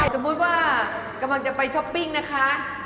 สมมุติว่ากำลังจะไปช้อปปิ้งนะคะ